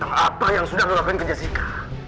tentang apa yang sudah ngelakuin ke jessica